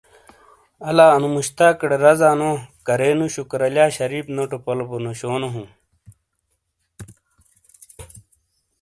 آلا انو مشتاقٹے رازا نو کرے نو شکور علیا شریف نوٹو پلو بو نشونو ہوں۔